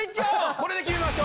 これで決めましょ。